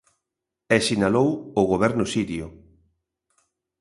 E sinalou o goberno sirio.